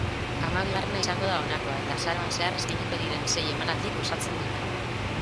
Hamabigarrena izango da honakoa eta azaroan zehar eskainiko diren sei emanaldik osatzen dute.